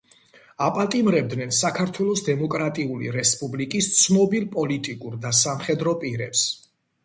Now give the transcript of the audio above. აპატიმრებდნენ საქართველოს დემოკრატიული რესპუბლიკის ცნობილ პოლიტიკურ და სამხედრო პირებს.